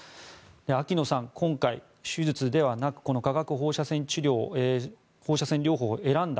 秋野さん、今回、手術ではなく化学放射線療法を選んだ。